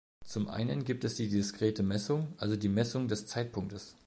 Zum einen gibt es die diskrete Messung, also die Messung des Zeitpunktes.